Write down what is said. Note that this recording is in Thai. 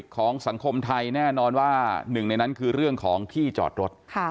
ของสังคมไทยแน่นอนว่าหนึ่งในนั้นคือเรื่องของที่จอดรถ